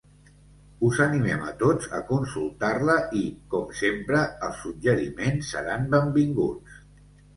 Us animem a tots a consultar-la i, com sempre, els suggeriments seran benvinguts.